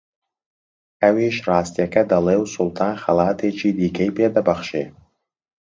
ئەویش ڕاستییەکە دەڵێ و سوڵتان خەڵاتێکی دیکەی پێ دەبەخشێ